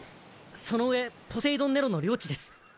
その上ポセイドン・ネロの領地です。